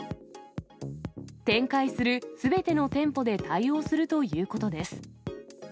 展開するすべての店舗で対応するということです。